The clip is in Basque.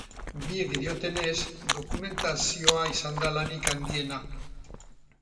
Biek diotenez, dokumentazioa izan da lanik handiena.